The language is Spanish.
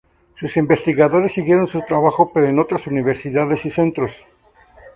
Sus investigadores siguieron su trabajo pero en otras universidades y centros.